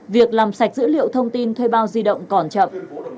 việc làm sạch dữ liệu thông tin thuê bao di động còn chậm